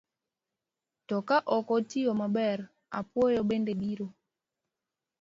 To ka ok otiyo maber, apuoyo bende biro.